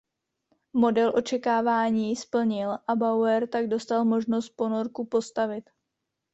Model očekávání splnil a Bauer tak dostal možnost ponorku postavit.